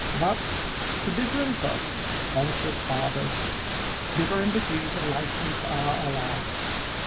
But to different persons, conscript fathers, different degrees of license are allowed.